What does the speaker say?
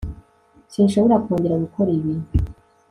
sinshobora kongera gukora ibi